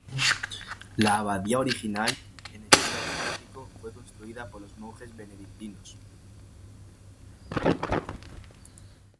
La abadía original, en estilo románico, fue construida por los monjes benedictinos.